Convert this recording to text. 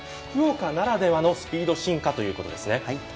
福岡ならではのスピード進化ということですね。